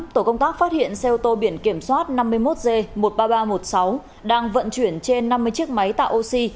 tổ công tác phát hiện xe ô tô biển kiểm soát năm mươi một g một mươi ba nghìn ba trăm một mươi sáu đang vận chuyển trên năm mươi chiếc máy tạo oxy